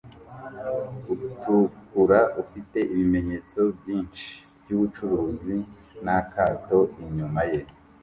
utukura ufite ibimenyetso byinshi byubucuruzi na kato inyuma ye